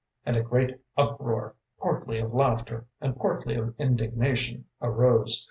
“And a great uproar, partly of laughter and partly of indignation, arose.